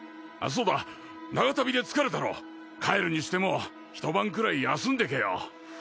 そうだ長旅で疲れたろ帰るにしても一晩くらい休んでけよ